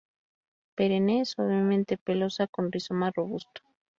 Perenne suavemente pelosa con rizoma robusto.